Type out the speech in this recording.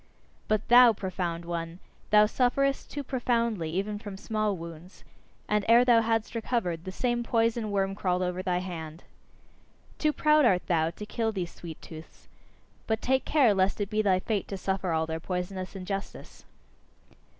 But thou, profound one, thou sufferest too profoundly even from small wounds; and ere thou hadst recovered, the same poison worm crawled over thy hand. Too proud art thou to kill these sweet tooths. But take care lest it be thy fate to suffer all their poisonous injustice!